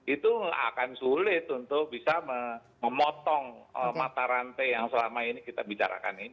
itu akan sulit untuk bisa memotong mata rantai yang selama ini kita bicarakan ini